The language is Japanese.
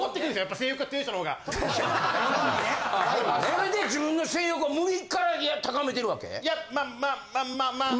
それで自分の性欲を無理から高めてるわけ？やまっまっまっまあ。